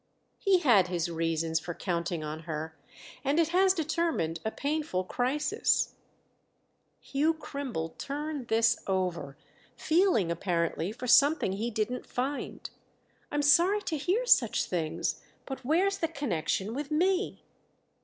"He had his reasons for counting on her, and it has determined a painful crisis." Hugh Crimble turned this over—feeling apparently for something he didn't find. "I'm sorry to hear such things, but where's the connection with me?"